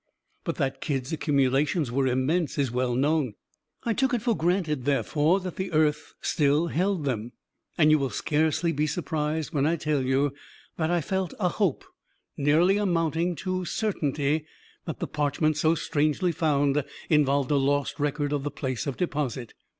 "But that Kidd's accumulations were immense, is well known. I took it for granted, therefore, that the earth still held them; and you will scarcely be surprised when I tell you that I felt a hope, nearly amounting to certainty, that the parchment so strangely found involved a lost record of the place of deposit."